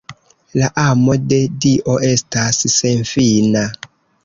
La amo de Dio estas senfina.